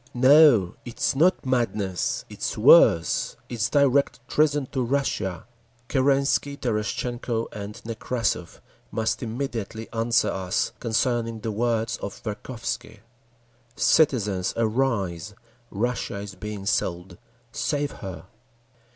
No! It is not madness! It is worse. It is direct treason to Russia! Kerensky, Terestchenko and Nekrassov must immediately answer us concerning the words of Verkhovsky. Citizens, arise! Russia is being sold! Save her!